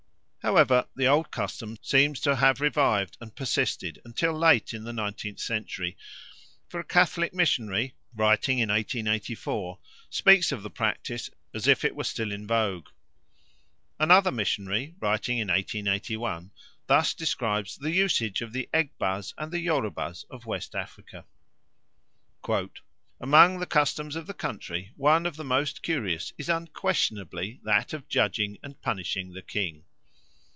However, the old custom seems to have revived and persisted until late in the nineteenth century, for a Catholic missionary, writing in 1884, speaks of the practice as if it were still in vogue. Another missionary, writing in 1881, thus describes the usage of the Egbas and the Yorubas of West Africa: "Among the customs of the country one of the most curious is unquestionably that of judging, and punishing the king.